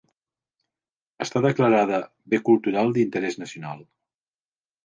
Està declarada bé cultural d'interès nacional.